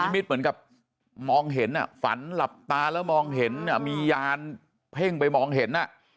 มิตเหมือนกับมองเห็นฝันหลับตาแล้วมองเห็นมียานเพ่งไปมองเห็น